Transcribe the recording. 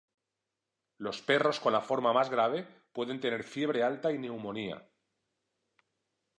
Los perros con la forma más grave pueden tener fiebre alta y neumonía.